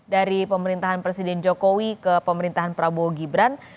dari pemerintahan presiden jokowi ke pemerintahan prabowo gibran